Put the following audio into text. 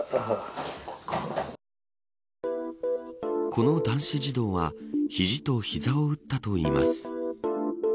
この男子児童は肘と膝を打ったといいます。